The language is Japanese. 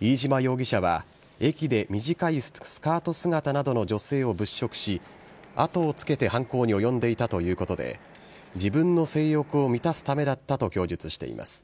飯島容疑者は、駅で短いスカート姿などの女性を物色し、後をつけて犯行に及んでいたということで、自分の性欲を満たすためだったと供述しています。